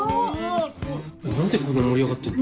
何でこんな盛り上がってんの？